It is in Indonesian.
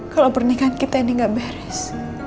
kalau pernikahan kita ini gak beres